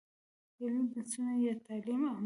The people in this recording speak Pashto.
علمي بنسټونه یا تعلیم عامول.